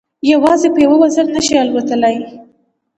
یوازې په یوه وزر نه شي الوتلای.